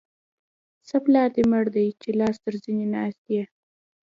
څه پلار دې مړ دی؛ چې لاس تر زنې ناست يې.